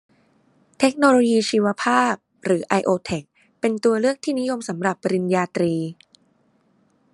เทคโนโลยีชีวภาพ หรือ ไอโอเทค เป็นตัวเลือกที่นิยมสำหรับปริญญาตรี